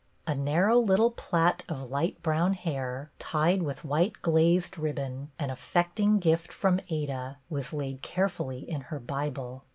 A narrow little plait of light brown hair, tied with white glazed ribbon, an affecting gift from Ada, was laid carefully in her Bible.